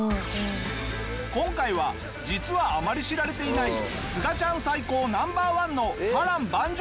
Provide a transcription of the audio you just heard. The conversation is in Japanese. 今回は実はあまり知られていないすがちゃん最高Ｎｏ．１の波瀾万丈